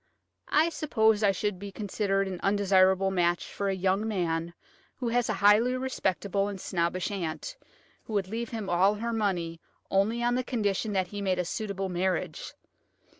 I suppose I should be considered an undesirable match for a young man who has a highly respectable and snobbish aunt, who would leave him all her money only on the condition that he made a suitable marriage.